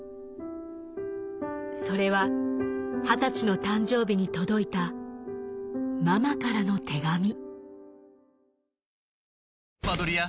それは二十歳の誕生日に届いたママからの手紙